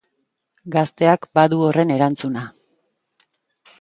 Gazteak badu horren erantzuna.